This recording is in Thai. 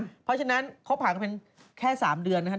เพราะฉะนั้นคบหากันเป็นแค่๓เดือนนะครับ